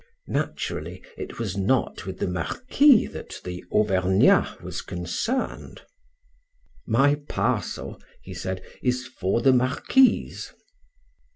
Naturally, it was not with the Marquis that the Auvergnat was concerned. "My parcel," he said, "is for the marquise."